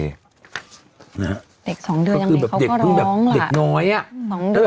เด็กสองเดือนยังไหนเขาก็ร้องเด็กน้อยอ่ะ